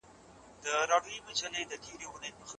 شاګرد به خپله څېړنه تر راتلونکي کاله بشپړه کړې وي.